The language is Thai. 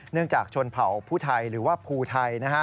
เนื่องจากชนเผาผู้ไทยหรือว่าภูไทย